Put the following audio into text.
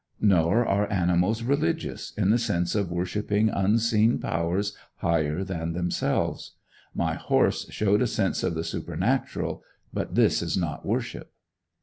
Nor are animals religious, in the sense of worshiping unseen powers higher than themselves. My horse showed a sense of the supernatural, but this is not worship.